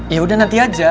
yaudah nanti aja